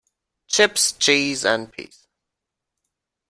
Chips, cheese and peas.